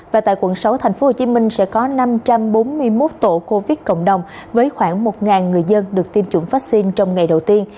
và tại quận sáu tp hcm sẽ có năm trăm bốn mươi một tổ covid cộng đồng với khoảng một người dân được tiêm chủng vaccine trong ngày đầu tiên